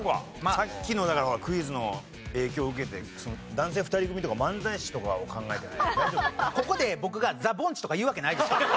さっきのだからクイズの影響を受けて男性２人組とかここで僕がザ・ぼんちとか言うわけないでしょ。